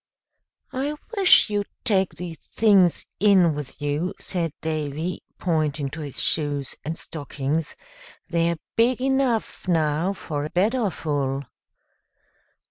"I wish you'd take these things in with you," said Davy, pointing to his shoes and stockings. "They're big enough now for Badorful."